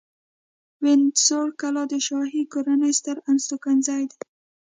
وینډسور کلا د شاهي کورنۍ ستر استوګنځی دی.